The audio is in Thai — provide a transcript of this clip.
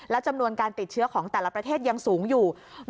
จำนวนการติดเชื้อของแต่ละประเทศยังสูงอยู่